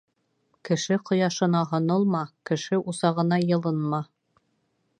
Кеше ҡояшына һонолма, кеше усағына йылынма.